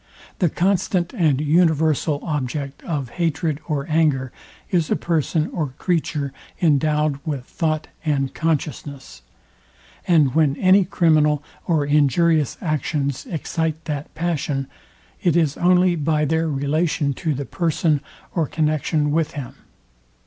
The constant and universal object of hatred or anger is a person or creature endowed with thought and consciousness; and when any criminal or injurious actions excite that passion, it is only by their relation to the person or connexion with him.